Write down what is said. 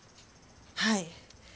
はい。